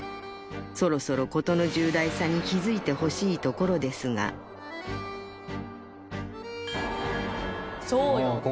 そろそろ事の重大さに気付いてほしいところですがそうよ